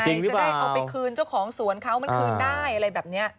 จะได้เอาไปคืนเจ้าของสวนเขามันคืนได้อะไรแบบนี้